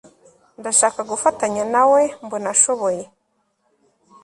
Ndashaka gufatanya nawe mbona ashoboye